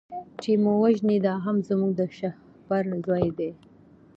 چي مو وژني دا هم زموږ د شهپر زور دی